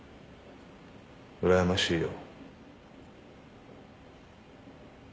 「うらやましいよ」